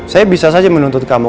saya bisa saja menuntut kamu